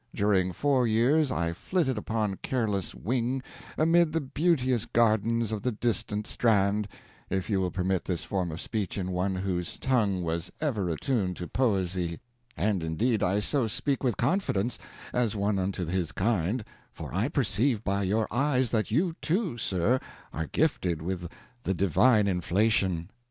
During four years I flitted upon careless wing amid the beauteous gardens of the distant strand, if you will permit this form of speech in one whose tongue was ever attuned to poesy; and indeed I so speak with confidence, as one unto his kind, for I perceive by your eyes that you too, sir, are gifted with the divine inflation.